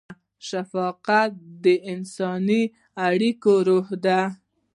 شفقت د انساني اړیکو روح دی.